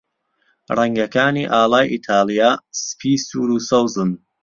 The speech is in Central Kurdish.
ڕەنگەکانی ئاڵای ئیتاڵیا سپی، سوور، و سەوزن.